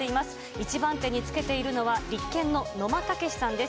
１番手につけているのは立憲の野間健さんです。